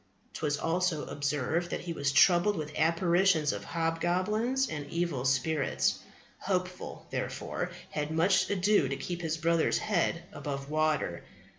'Twas also observed that he was troubled with apparitions of hobgoblins and evil spirits. Hopeful, therefore, had much ado to keep his brother's head above water.